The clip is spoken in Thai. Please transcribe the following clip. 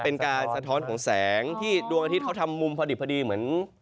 เป็นการสะท้อนของแสงที่ดวงอาทิตย์เขาทำมุมพอดีเหมือน